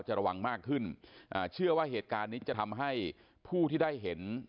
ระวังมากขึ้นอ่าเชื่อว่าเหตุการณ์นี้จะทำให้ผู้ที่ได้เห็น